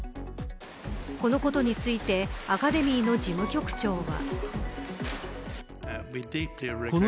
このことについてアカデミーの事務局長は。